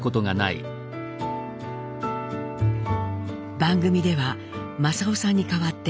番組では正雄さんに代わってアメリカへ。